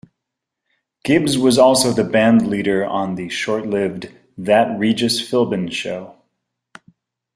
Gibbs was also the bandleader on the short-lived "That Regis Philbin Show".